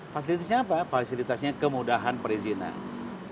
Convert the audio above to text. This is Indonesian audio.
fasilitasnya apa fasilitasnya kemudahan perizinan